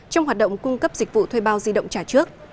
trong hoạt động cung cấp dịch vụ thuê bao di động trả trước